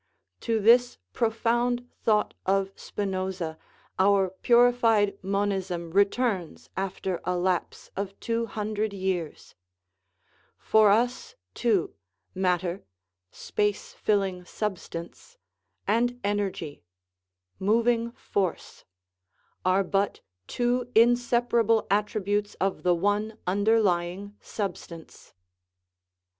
To this profound thought of Spinoza our purified monism returns after a lapse of two hundred years ; for us, too, matter (space filling substance) and energy (moving force) are but two inseparable attributes of the one underlying sub stance.